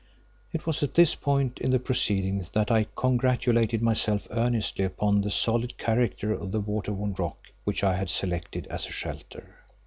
It was at this point in the proceedings that I congratulated myself earnestly upon the solid character of the water worn rock which I had selected as a shelter.